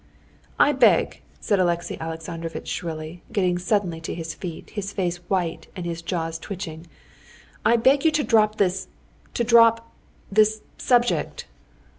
"I beg," said Alexey Alexandrovitch shrilly, getting suddenly onto his feet, his face white and his jaws twitching, "I beg you to drop this ... to drop ... this subject!"